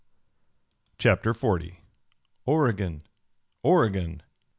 CHAPTER XL OREGON! OREGON!